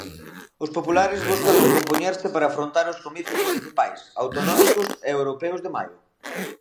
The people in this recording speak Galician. Os populares buscan recompoñerse para afrontar os comicios municipais, autonómicos e europeos de maio.